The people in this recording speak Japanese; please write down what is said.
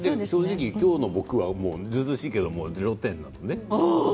今日の僕はずうずうしいけど０点なんですよね。